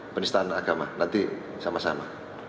atau instan agama nanti sama sama